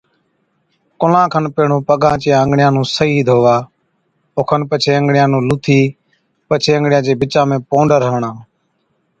ڪُلان کن پيهڻُون پگان چي انگڙِيان نُون صحِيح ڌووا او کن پڇي انگڙِيان نُون لُوهٿِي پڇي انگڙِيان چي بِچا ۾ پونڊر هڻا۔